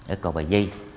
ở cậu bà di